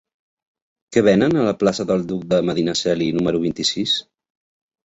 Què venen a la plaça del Duc de Medinaceli número vint-i-sis?